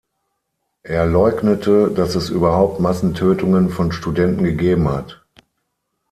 Er leugnete, dass es überhaupt Massentötungen von Studenten gegeben hat.